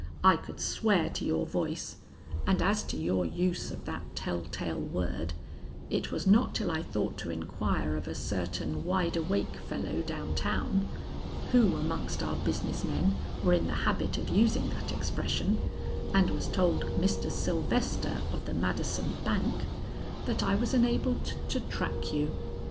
I could swear to your voice, and as to your use of that tell tale word, it was not till I thought to inquire of a certain wide awake fellow down town, who amongst our business men were in the habit of using that expression, and was told Mr. Sylvester of the Madison Bank, that I was enabled to track you.